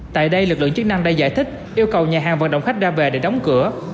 tại đây lực lượng chức năng đã giải thích yêu cầu nhà hàng vận động khách ra về để đóng cửa